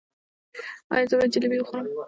ایا زه باید جلبي وخورم؟